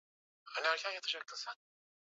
na cleopatra naa huz